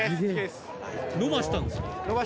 伸ばしたんですか？